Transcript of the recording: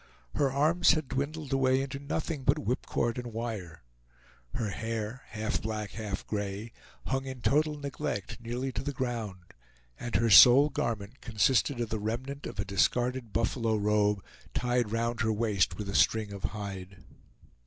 Her arms had dwindled away into nothing but whipcord and wire. Her hair, half black, half gray, hung in total neglect nearly to the ground, and her sole garment consisted of the remnant of a discarded buffalo robe tied round her waist with a string of hide.